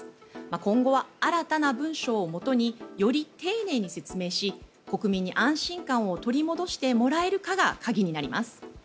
今後は、新たな文書をもとにより丁寧に説明し国民に安心感を取り戻してもらえるかが鍵になります。